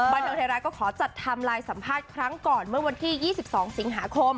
บันเทิงไทยรัฐก็ขอจัดทำไลน์สัมภาษณ์ครั้งก่อนเมื่อวันที่๒๒สิงหาคม